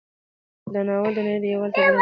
دا ناول د نړۍ یووالي ته بلنه ورکوي.